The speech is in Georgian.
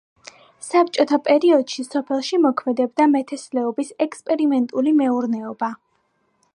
საბჭოთა პერიოდში სოფელში მოქმედებდა მეთესლეობის ექსპერიმენტული მეურნეობა.